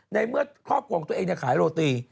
ในเมื่อครอบครัวของตัวเองขายโรตี